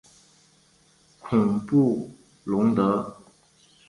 孔布龙德。